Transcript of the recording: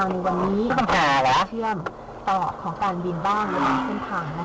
เมื่อกี้คุณแสงขวาขึ้นมาได้ยังไง